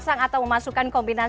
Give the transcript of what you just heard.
saya tidak membutuhkan pemain muda